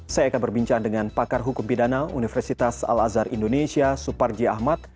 saya akan berbincang dengan pakar hukum pidana universitas al azhar indonesia suparji ahmad